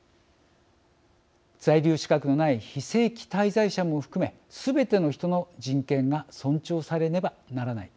在留資格のない非正規滞在者も含めすべての人の人権が尊重されねばならない。